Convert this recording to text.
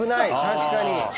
確かに。